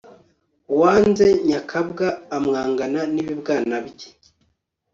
uwanze nyakabwa , amwangana n'ibibwana bye